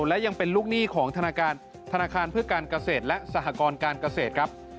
และยังเป็นลูกหนี้ของธนาคารเพื่อการเกษตรและสหกรการเกษตรครับ